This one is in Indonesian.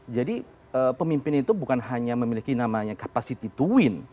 jadi pemimpin itu bukan hanya memiliki namanya capacity to win